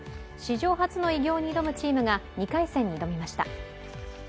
史上初の偉業に挑むチームが２回戦に挑みました。